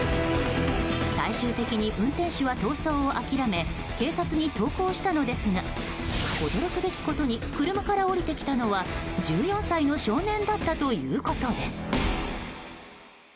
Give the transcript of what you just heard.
最終的に運転手は逃走を諦め警察に投降したのですが驚くべきことに車から降りてきたのは１４歳の少年だったということです。